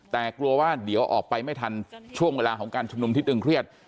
แต่กลัวว่าเดี๋ยวออกไปไม่ทันช่วงเวลาของการชุมนุมที่ตึงเครียด